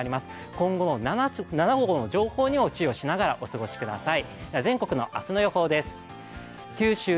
今後も、情報に注意しながらお過ごしください。